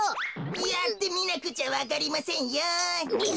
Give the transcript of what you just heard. やってみなくちゃわかりませんよ。